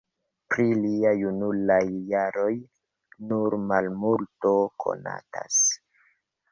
Pri lia junulaj jaroj nur malmulto konatas.